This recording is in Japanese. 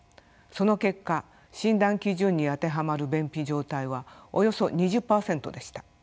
その結果診断基準に当てはまる便秘状態はおよそ２０％でした。